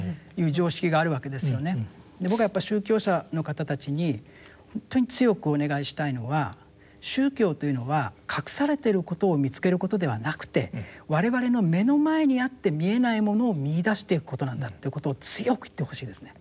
僕がやっぱり宗教者の方たちに本当に強くお願いしたいのは宗教というのは隠されていることを見つけることではなくて我々の目の前にあって見えないものを見いだしていくことなんだということを強く言ってほしいですね。